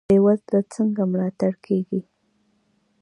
بې وزله څنګه ملاتړ کیږي؟